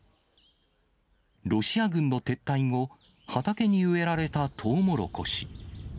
ロシア軍の撤退後、畑に植えられたトウモロコシ。